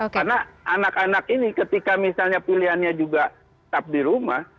karena anak anak ini ketika misalnya pilihannya juga tetap di rumah